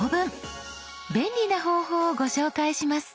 便利な方法をご紹介します。